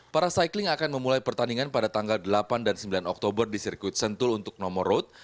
para cycling akan memulai pertandingan pada tanggal delapan dan sembilan oktober di sirkuit sentul untuk nomor road